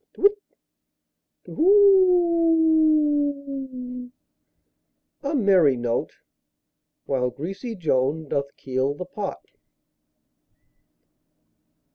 To whit, Tu whoo! A merry note! While greasy Joan doth keel the pot.